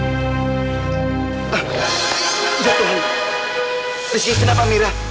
jatuh reski kenapa amira